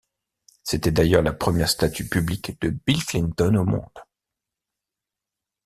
C’était d’ailleurs la première statue publique de Bill Clinton au monde.